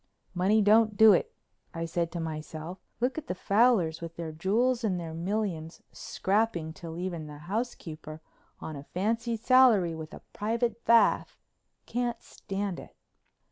"Money don't do it," I said to myself. "Look at the Fowlers with their jewels and their millions scrapping till even the housekeeper on a fancy salary with a private bath can't stand it."